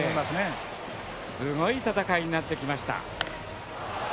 すごい戦いになってきました。